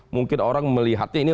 mungkin orang melihatnya ini